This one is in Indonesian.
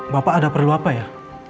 bapak ada perlu apa ya